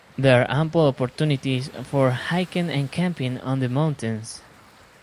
There are ample opportunities for hiking and camping on the mountains.